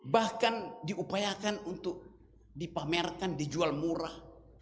bahkan diupayakan untuk dipamerkan dijual murah